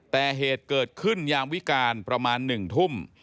แต่เหตุเกิดขึ้นยามวิการประมาณ๑ทุ่ม